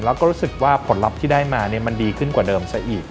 แล้วก็รู้สึกว่าผลลัพธ์ที่ได้มามันดีขึ้นกว่าเดิมซะอีก